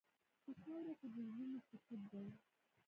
په خاوره کې د زړونو سکوت دی.